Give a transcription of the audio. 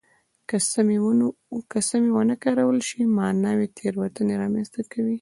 که سمې ونه کارول شي معنوي تېروتنې را منځته کوي.